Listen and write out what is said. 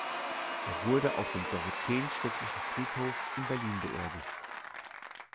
Er wurde auf dem Dorotheenstädtischen Friedhof in Berlin beerdigt.